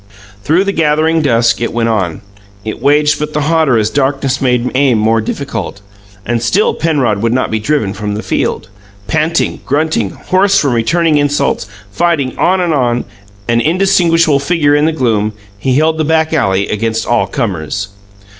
Through the gathering dusk it went on. It waged but the hotter as darkness made aim more difficult and still Penrod would not be driven from the field. Panting, grunting, hoarse from returning insults, fighting on and on, an indistinguishable figure in the gloom, he held the back alley against all comers.